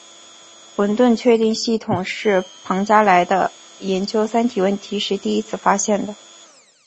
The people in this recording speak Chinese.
混沌确定系统是庞加莱在研究三体问题时第一次发现的。